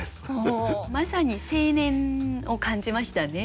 まさに青年を感じましたね。